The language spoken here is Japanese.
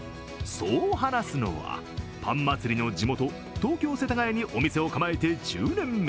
そう話すのは、パン祭りの地元東京・世田谷にお店を構えて１０年目。